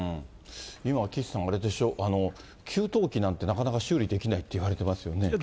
今、岸さん、あれでしょ、給湯器なんて、なかなか修理できないっていわれてますよね。